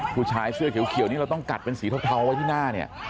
ผู้ชายเสื้อเขียวนี้เราต้องกัดเป็นสีเทาไว้ที่หน้าเนี่ย